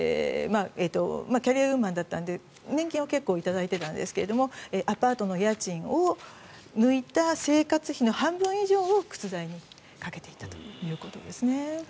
キャリアウーマンだったので年金は結構頂いてたんですがアパートの家賃を抜いた生活費の半分以上を靴代にかけていたということですね。